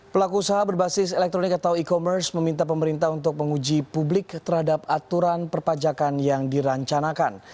pelaku usaha berbasis elektronik atau e commerce meminta pemerintah untuk menguji publik terhadap aturan perpajakan yang dirancanakan